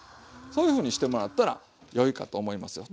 そういうふうにしてもらったら良いかと思いますよ。